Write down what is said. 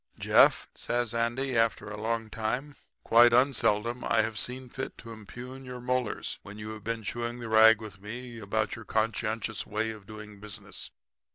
"'Jeff,' says Andy after a long time, 'quite unseldom I have seen fit to impugn your molars when you have been chewing the rag with me about your conscientious way of doing business.